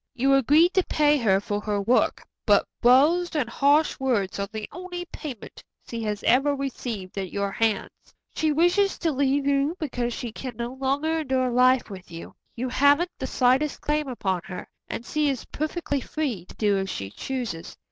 You agreed to pay her for her work, but blows and harsh words are the only payment she has ever received at your hands. She wishes to leave you because she can no longer endure life with you. You haven't the slightest claim upon her, and she is perfectly free to do as she chooses.